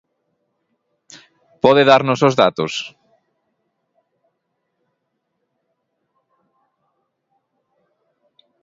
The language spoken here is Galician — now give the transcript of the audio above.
¿Pode darnos os datos?